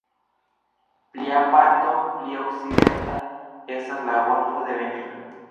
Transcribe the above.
Plia parto, pli okcidenta, estas la "Golfo de Benino".